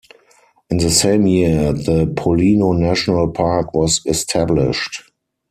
In the same year the Pollino National Park was established.